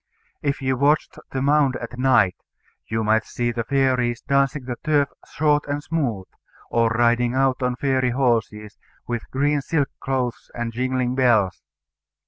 If you watched the mound at night, you might see the fairies dancing the turf short and smooth, or riding out on fairy horses, with green silk clothes and jingling bells.